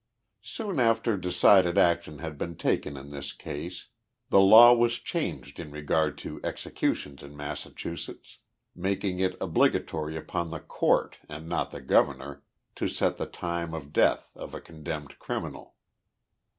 Soon after decided action had been taken in this case the law was changed in regard to executions in Massachusetts^ making it obligatory upon the Court, and not the Governor, to set the time of death of a condemned criminal.